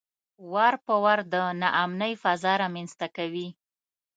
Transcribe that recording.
وار په وار د ناامنۍ فضا رامنځته کوي.